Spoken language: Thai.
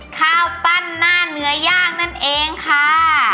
ข้าวปั้นหน้าเนื้อย่างนั่นเองค่ะ